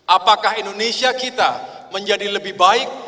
apakah indonesia kita menjadi lebih baik